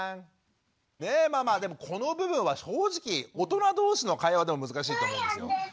ねえママこの部分は正直大人同士の会話でも難しいと思うんですよ。